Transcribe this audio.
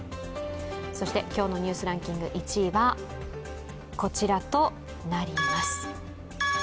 そして、今日の「ニュースランキング」１位はこちらとなります。